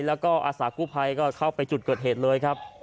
แล้วก็อาสากู้ภัยก็เข้าไปจุดเกิดเหตุเลยครับ